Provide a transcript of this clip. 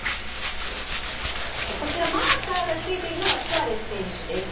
こちらマーカーがついているのがスアレス選手です。